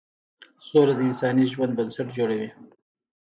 سوله د انساني ژوند بنسټ جوړوي.